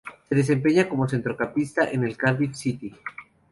Se desempeña como centrocampista en el Cardiff City.